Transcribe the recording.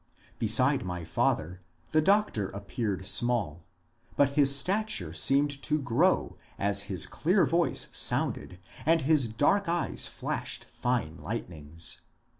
Beside my father the doctor appeared small, but his stature seemed to grow as his clear voice sounded and his dark eyes flashed fine lightnings.